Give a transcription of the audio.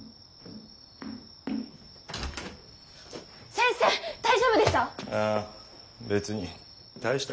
・先生大丈夫でした？